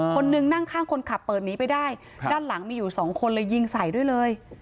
คนนึงนั่งข้างคนขับเปิดหนีไปได้ด้านหลังมีอยู่สองคนเลยยิงใส่ด้วยเลย